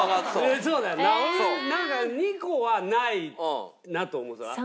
俺もなんか２個はないなと思う。